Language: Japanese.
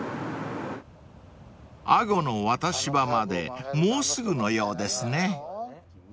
［安居の渡し場までもうすぐのようですね］